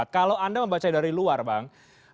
kalau anda membaca dari luar bang